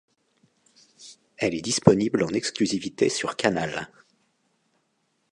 Elle est disponible en exclusivité sur Canal.